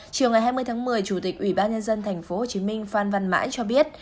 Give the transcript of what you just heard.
chiều ngày hai mươi tháng một mươi chủ tịch ủy ban nhân dân tp hcm phan văn mãi cho biết